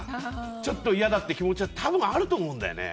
ちょっと嫌だって気持ちは多分、あると思うんだよね。